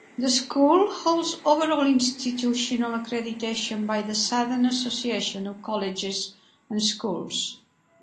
The school holds overall institutional accreditation by the Southern Association of Colleges and Schools.